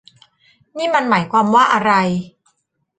นี่มันหมายความว่าอะไร